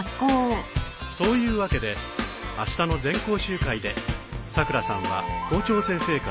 そういうわけであしたの全校集会でさくらさんは校長先生から賞状を頂きます。